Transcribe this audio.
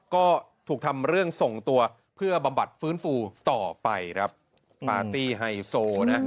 ก็ถูกทำเรื่องส่งตัวเพื่อบำบัดฟื้นฟูต่อไปครับปาร์ตี้ไฮโซนะ